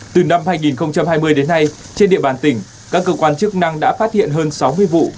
từ năm hai nghìn hai mươi đến nay trên địa bàn tỉnh các cơ quan chức năng đã phát hiện hơn sáu mươi vụ